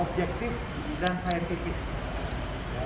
objektif dan saintifik